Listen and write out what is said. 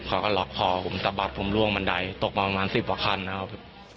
เขาก็ล็อกคอผมสะบัดผมล่วงบันไดตกมาประมาณ๑๐กว่าคันนะครับ